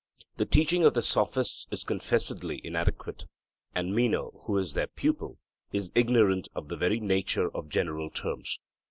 The teaching of the Sophists is confessedly inadequate, and Meno, who is their pupil, is ignorant of the very nature of general terms.